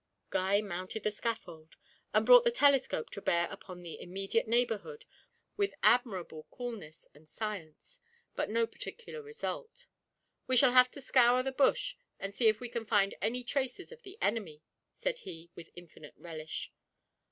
Guy mounted the scaffold, and brought the telescope to bear upon the immediate neighbourhood with admirable coolness and science but no particular result. 'We shall have to scour the bush and see if we can find any traces of the enemy,' said he with infinite relish.